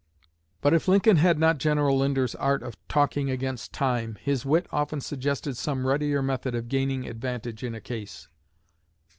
But if Lincoln had not General Linder's art of "talking against time," his wit often suggested some readier method of gaining advantage in a case.